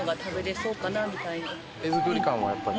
手作り感はやっぱり。